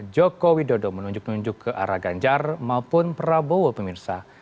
joko widodo menunjuk nunjuk ke arah ganjar maupun prabowo pemirsa